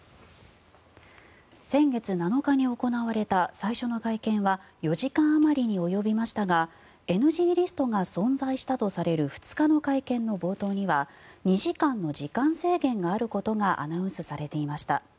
先月７日に行われた最初の会見は４時間あまりに及びましたがＮＧリストが存在したとされる２日の会見の冒頭には２時間の時間制限があることがアナウンスされていました。